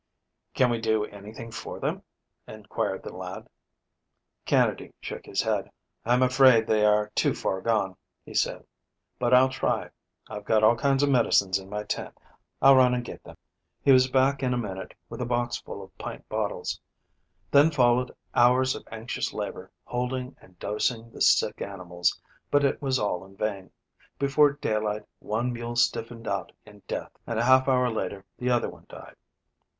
"Can we do anything for them?" inquired the lad. Canady shook his head. "I am afraid they are too far gone," he said. "But I'll try. I've got all kinds of medicines in my tent. I'll run and get them." He was back in a minute with a box full of pint bottles. Then followed hours of anxious labor, holding and dosing the sick animals, but it was all in vain. Before daylight one mule stiffened out in death and a half hour later the other one died.